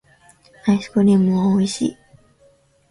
アイスクリームはおいしい